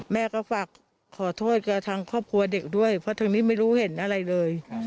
แม่ก็ฝากขอโทษกับทางครอบครัวเด็กด้วยเพราะทางนี้ไม่รู้เห็นอะไรเลย